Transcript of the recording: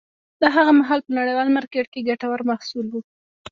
دا هغه مهال په نړیوال مارکېټ کې ګټور محصول و